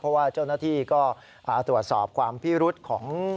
เพราะว่าเจ้าหน้าที่ก็ตรวจสอบความพิรุษของ